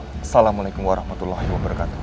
assalamualaikum warahmatullahi wabarakatuh